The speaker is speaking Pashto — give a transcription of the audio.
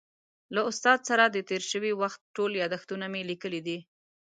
له استاد سره د تېر شوي وخت ټول یادښتونه مې لیکلي دي.